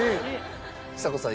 ちさ子さん